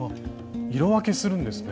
色分けするんですね。